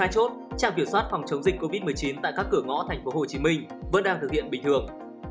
một mươi chốt trạm kiểm soát phòng chống dịch covid một mươi chín tại các cửa ngõ tp hcm vẫn đang thực hiện bình thường